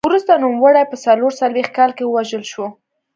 وروسته نوموړی په څلور څلوېښت کال کې ووژل شو